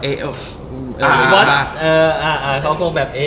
เอ๊ะอ่าเอ๊ะอ่าเขาคงแบบ